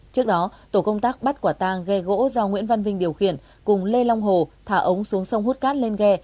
trước đó tổ công tác bắt quả tang ghe gỗ do nguyễn văn vinh điều khiển cùng lê long hồ thả ống xuống sông hút cát lên ghe